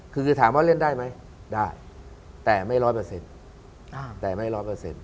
คือถามว่าเล่นได้ไหมได้แต่ไม่ร้อยเปอร์เซ็นต์แต่ไม่ร้อยเปอร์เซ็นต